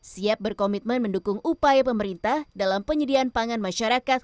siap berkomitmen mendukung upaya pemerintah dalam penyediaan pangan masyarakat